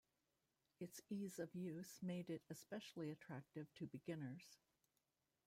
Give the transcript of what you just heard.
Its ease of use made it especially attractive to beginners.